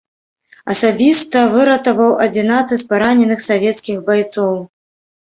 Асабіста выратаваў адзінаццаць параненых савецкіх байцоў.